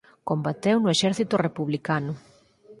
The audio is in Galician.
Combateu no exército republicano.